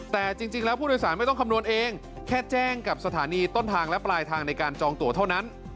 แต่จริงแล้วผู้โดยสารไม่ต้องคำนวณเองแค่แจ้งกับสถานีต้นทางและปลายทางในการจองตัวเท่านั้น